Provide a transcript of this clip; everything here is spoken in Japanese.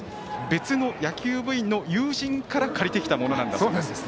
別の野球部員の友人から借りてきたものなんだそうです。